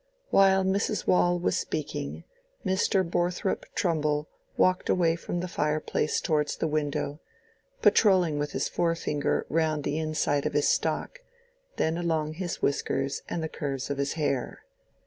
While Mrs. Waule was speaking, Mr. Borthrop Trumbull walked away from the fireplace towards the window, patrolling with his fore finger round the inside of his stock, then along his whiskers and the curves of his hair.